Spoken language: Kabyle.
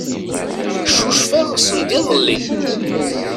Cucfeɣ sendiḍelli.